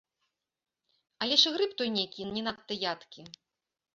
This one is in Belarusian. Але ж і грыб той нейкі не надта ядкі.